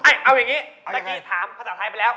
เอ้ยเอาอย่างนี้นังกี่ถามภาษาไทยไปแล้ว